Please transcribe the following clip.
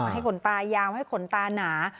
ให้ขนตายาวให้ขนตาหนา